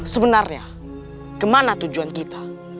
sebenarnya ke mana tujuan kita